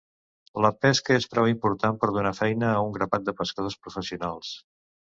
La pesca és prou important per donar feina a un grapat de pescadors professionals.